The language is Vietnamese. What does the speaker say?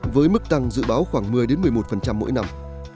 với mức tăng dự báo khoảng một mươi một mươi một mỗi năm